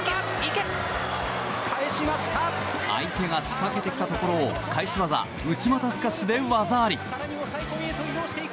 相手が仕掛けてきたところを返し技内股すかしで技あり！